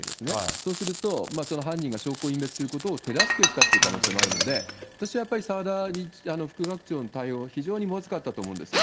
そうすると、その犯人が証拠隠滅することを手助けしたという可能性もあるので、私はやっぱり澤田副学長の対応、非常にまずかったと思うんです。